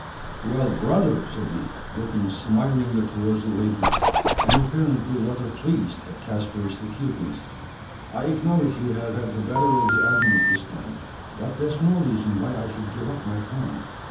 "Well, brother!" said he, looking smilingly towards the latter, and apparently rather pleased at Caspar's acuteness; "I acknowledge you have had the better of the argument this time; but that's no reason why I should give up my plan.